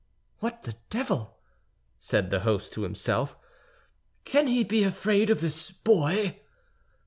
"What the devil!" said the host to himself. "Can he be afraid of this boy?"